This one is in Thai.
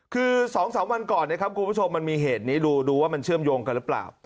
คือ๒๓วันก่อนนะครับคุณผู้ชมมันมีเหตุนี้ดูว่ามันเชื่อมโยงกันหรือเปล่า